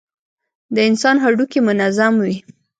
د انسان هډوکى منظم وي.